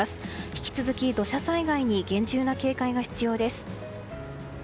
引き続き、土砂災害に厳重な警戒が必要です。